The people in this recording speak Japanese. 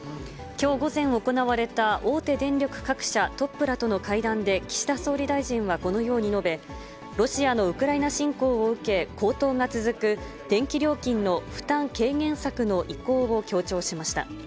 きょう午前行われた大手電力各社トップらとの会談で岸田総理大臣はこのように述べ、ロシアのウクライナ侵攻を受け、高騰が続く電気料金の負担軽減策の意向を強調しました。